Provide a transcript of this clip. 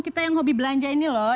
kita yang hobi belanja ini loh